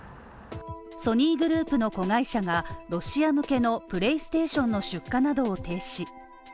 ソニーグループの子会社が、ロシア向けのプレイステーションの出荷などを停止。